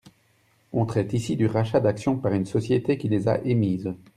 On traite ici du rachat d’actions par une société qui les a émises.